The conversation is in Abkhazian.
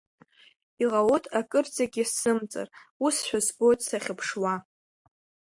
Иҟалоит акырӡагьы сзымцар, усшәа збоит сахьыԥшуа.